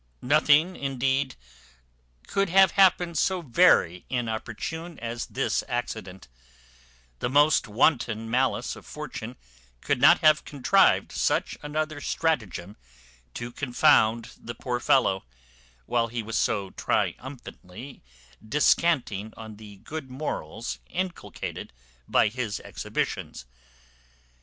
Nothing indeed could have happened so very inopportune as this accident; the most wanton malice of fortune could not have contrived such another stratagem to confound the poor fellow, while he was so triumphantly descanting on the good morals inculcated by his exhibitions.